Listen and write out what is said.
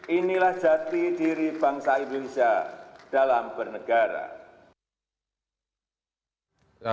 inilah jati diri bangsa indonesia dalam bernegara